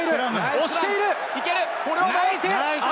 押している！